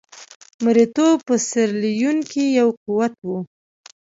مریتوب په سیریلیون کې یو قوت وو.